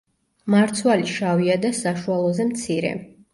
მარცვალი შავია და საშუალოზე მცირე.